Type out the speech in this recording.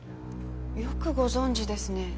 よくご存じですね。